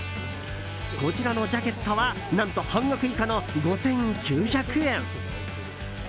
こちらのジャケットは何と半額以下の５９００円。